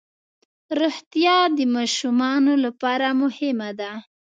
روغتیا د ماشومانو لپاره مهمه ده.